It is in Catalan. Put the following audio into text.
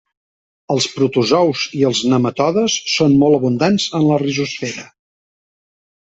Els protozous i els nematodes són molt abundants en la rizosfera.